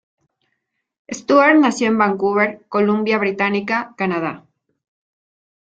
Stuart nació en Vancouver, Columbia Británica, Canadá.